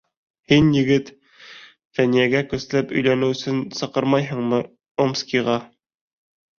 Һин, егет, Фәниәгә көсләп өйләнеү өсөн саҡырмайһыңмы Омскиға?